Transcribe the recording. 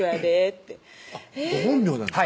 ってご本名なんですか？